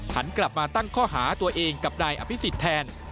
หันกลับมาตั้งข้อหาตัวเองกับนายอภิษฎแทน